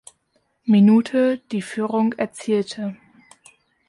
Minute die Führung erzielte.